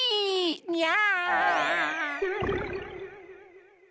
にゃー。